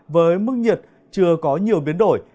với mức nhiệt chưa có nhiều biến đổi